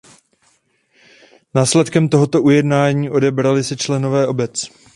Následkem tohoto ujednání odebrali se členové obec.